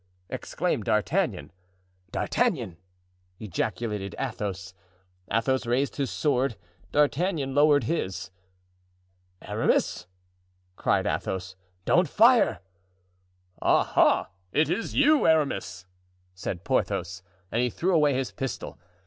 exclaimed D'Artagnan. "D'Artagnan!" ejaculated Athos. Athos raised his sword; D'Artagnan lowered his. "Aramis!" cried Athos, "don't fire!" "Ah! ha! is it you, Aramis?" said Porthos. And he threw away his pistol.